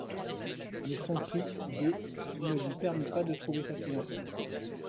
Mais son prix de ne lui permit pas de trouver sa clientèle.